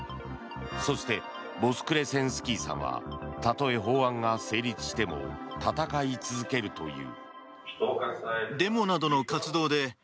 そしてボスクレセンスキーさんはたとえ法案が成立しても戦い続けるという。